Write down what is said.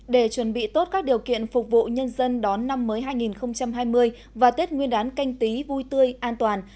để chuẩn bị tốt các điều kiện phục vụ nhân dân đón năm mới hai nghìn hai mươi và tết nguyên đán canh tí vui tươi an toàn